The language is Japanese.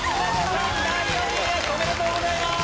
おめでとうございます！